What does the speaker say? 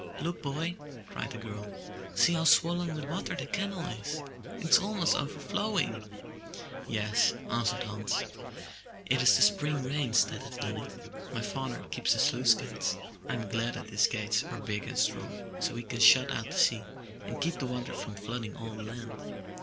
''Look, boy! cried the girl. ''See how swollen with water the canal is! It is almost overflowing. "Yes, answered Hans, "it is the spring rains that have done it. My father keeps the sluice gates. Fm glad his gates are big and strong, so he can shut out the sea, and keep the water from flooding all the land.